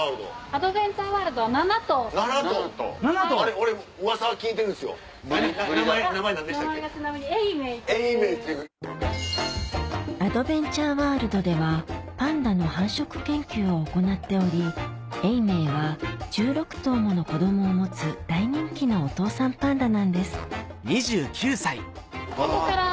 アドベンチャーワールドではパンダの繁殖研究を行っており永明は１６頭もの子供を持つ大人気のお父さんパンダなんですここから。